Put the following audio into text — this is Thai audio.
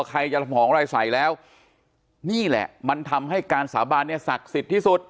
ใครจะทำของอะไรใส่แล้วนี่แหละมันทำให้การสาบานเนี่ยศักดิ์สิทธิ์ที่สุด